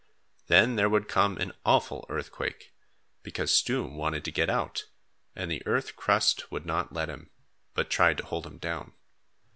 Then there would come an awful earthquake, because Stoom wanted to get out, and the earth crust would not let him, but tried to hold him down.